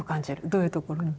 どういうところに？